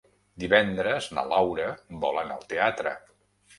Divendres na Laura vol anar al teatre.